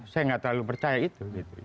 saya nggak terlalu percaya itu